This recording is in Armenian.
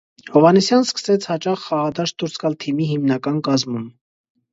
Հովհաննիսյանն սկսեց հաճախ խաղադաշտ դուրս գալ թիմի հիմնական կազմում։